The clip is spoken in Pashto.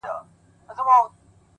• په لړزه يې سوه لكۍ او اندامونه,